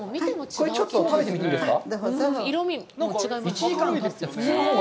ちょっと食べてみていいですか。